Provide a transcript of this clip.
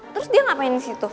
terus dia ngapain di situ